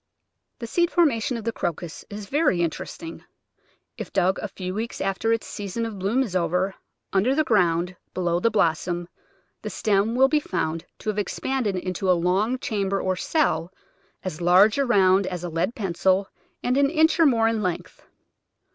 The seed formation of the Crocus is very interest ing. If dug a few weeks after its season of bloom Digitized by Google 190 The Flower Garden [Chapter is over, under the ground, below the blossom, the stem will be found to have expanded into a long chamber or cell as large around as a lead pencil and an inch or more in length.